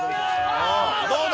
どうだ？